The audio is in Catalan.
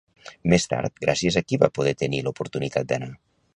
Més tard, gràcies a qui va poder tenir l'oportunitat d'anar?